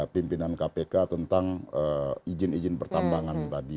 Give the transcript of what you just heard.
pimpinan kpk tentang izin izin pertambangan tadi